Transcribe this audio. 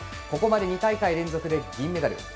ここまで２大会連続で銀メダル。